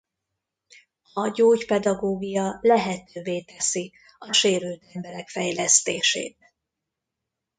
A gyógypedagógia lehetővé teszi a sérült emberek fejlesztését.